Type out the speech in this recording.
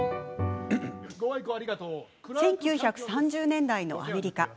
１９３０年代のアメリカ。